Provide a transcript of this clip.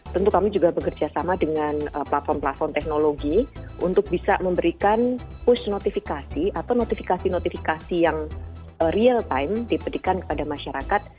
tentu kami juga bekerja sama dengan platform platform teknologi untuk bisa memberikan push notifikasi atau notifikasi notifikasi yang real time diberikan kepada masyarakat